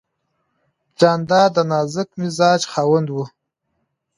جانداد د نازک مزاج خاوند دی.